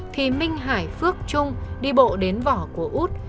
thì minh hải phước trung đi bộ đến vỏ của út